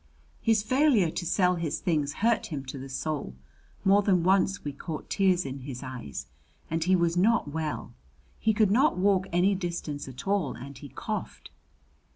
His failure to sell his things hurt him to the soul. More than once we caught tears in his eyes. And he was not well he could not walk any distance at all and he coughed.